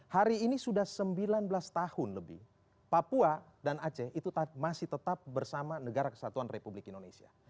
hari ini sudah sembilan belas tahun lebih papua dan aceh itu masih tetap bersama negara kesatuan republik indonesia